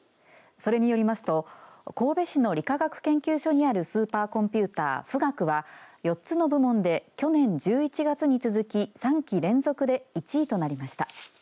それによりますと神戸市の理化学研究所にあるスーパーコンピューター富岳は４つの部門で去年１１月に続き３期連続で１位となりました。